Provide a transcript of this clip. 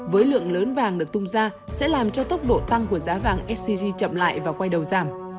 với lượng lớn vàng được tung ra sẽ làm cho tốc độ tăng của giá vàng sgc chậm lại và quay đầu giảm